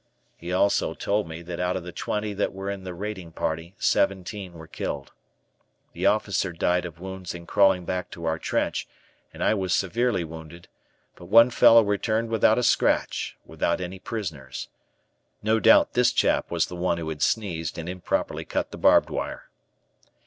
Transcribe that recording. He also told me that out of the twenty that were in the raiding party, seventeen were killed. The officer died of wounds in crawling back to our trench and I was severely wounded, but one fellow returned without a scratch without any prisoners. No doubt this chap was the one who had sneezed and improperly cut the barbed wire.